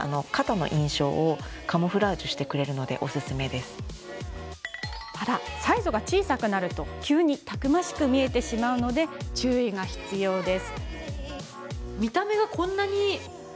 でも、サイズが小さくなると急にたくましく見えてしまうので注意が必要です。